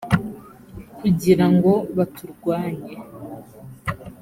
kugira ngo baturwanye.